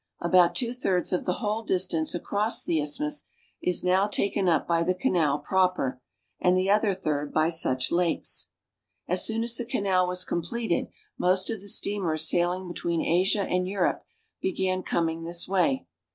About two thirds of the whole dis tance across the isthmus is now taken up by the canal proper, and the other third by such lakes. As soon as the canal was eompleted, most of the steam ers sailing between Asia and Europe began coming this way.